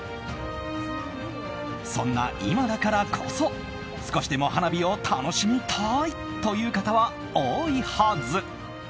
そんな今だからこそ少しでも花火を楽しみたいという方は多いはず。